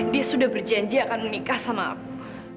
dia sudah berjanji akan menikah sama aku